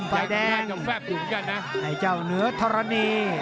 ไหว้แดงไอเซยาเหนือทรณี